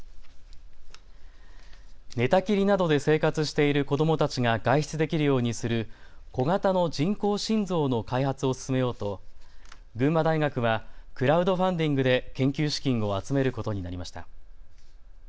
寝たきりなどで生活している子どもたちが外出できるようにする小型の人工心臓の開発を進めようと群馬大学はクラウドファンディングで研究資金を集めることになりました。